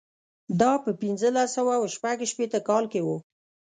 دا په پنځلس سوه شپږ شپېته کال کې و.